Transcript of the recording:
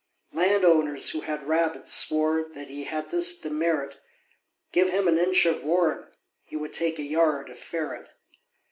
Land owners, who had rabbits, swore That he had this demerit Give him an inch of warren, he Would take a yard of ferret.